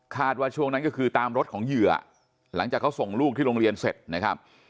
ว่าช่วงนั้นก็คือตามรถของเหยื่อหลังจากเขาส่งลูกที่โรงเรียนเสร็จนะครับ